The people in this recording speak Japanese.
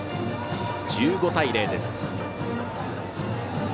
１５対０です。